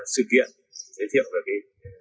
sự kiện giới thiệu về cái